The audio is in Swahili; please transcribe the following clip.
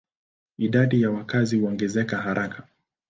Idadi ya wakazi huongezeka haraka.